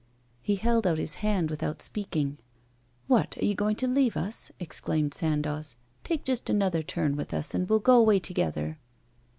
He held out his hand without speaking. 'What! are you going to leave us?' exclaimed Sandoz. Take just another turn with us, and we'll go away together.